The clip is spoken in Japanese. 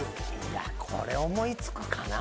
いやこれ思いつくかな？